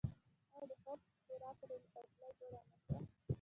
آیا د خواف هرات ریل پټلۍ جوړه نه شوه؟